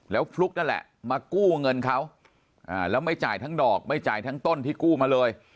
แล้วฟลุ๊กนั่นแหละมากู้เงินเขาแล้วไม่จ่ายทั้งดอกไม่จ่ายทั้งต้นที่กู้มาเลย